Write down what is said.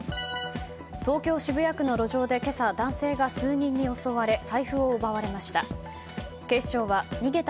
東京・渋谷区の路上で今朝男性が数人に襲われ財布を奪われました。